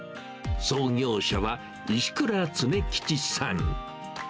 創業者は、石倉常吉さん。